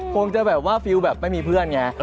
คงจะแบบว่าฟิลแบบไม่มีเพื่อนไง